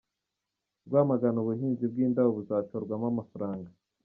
Rwamagana Ubuhinzi bw’indabo buzashorwamo amafaranga